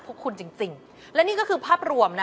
พวกคุณจริงและนี่ก็คือภาพรวมนะ